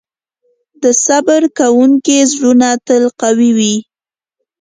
د صبر کوونکي زړونه تل قوي وي.